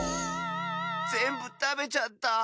ぜんぶたべちゃった。